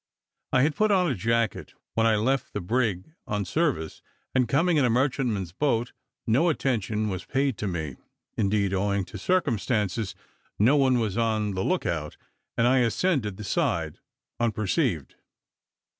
I had put on a jacket, when I left the brig on service, and coming in a merchantman's boat, no attention was paid to me; indeed, owing to circumstances, no one was on the look out, and I ascended the side unperceived.